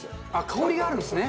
香りがあるんですね。